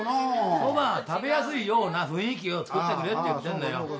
そば食べやすいような雰囲気をつくってくれって言ってんだよ。